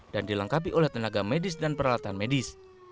dan dilengkapi oleh tenaga medis dan peralatan medis